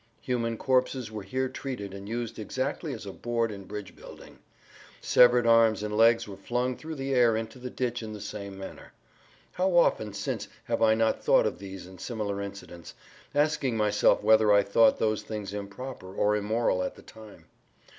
Human corpses were here treated and used exactly as a board in bridge building. Severed arms[Pg 52] and legs were flung through the air into the ditch in the same manner. How often since have I not thought of these and similar incidents, asking myself whether I thought those things improper or immoral at the time?